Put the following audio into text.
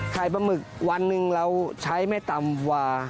ปลาหมึกวันหนึ่งเราใช้ไม่ต่ำกว่า